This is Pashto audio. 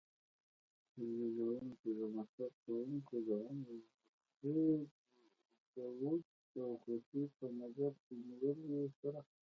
تولیدوونکي د مصرف کوونکو د عمر، دود او خوښۍ په نظر کې نیولو سره.